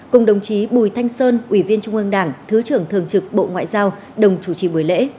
cùng đồng chí bùi thanh sơn ủy viên trung ương đảng thứ trưởng thường trực bộ ngoại giao đồng chủ trì buổi lễ